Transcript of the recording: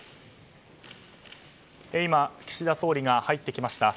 今、岸田総理が入ってきました。